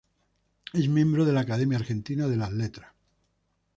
Es miembro de la Academia Argentina de Letras.